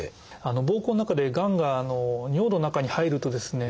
膀胱の中でがんが尿の中に入るとですね